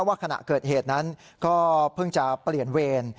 ขณะเกิดเหตุนั้นก็เพิ่งจะเปลี่ยนเวร